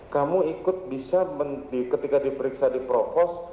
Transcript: kamu ikut bisa ketika diperiksa di propos